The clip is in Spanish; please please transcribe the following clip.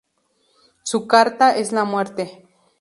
Su carta es la Muerte.